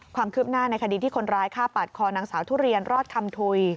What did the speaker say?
ความคืบหน้าในคดีที่คนร้ายฆ่าปาดคอนางสาวทุเรียนรอดคำถุย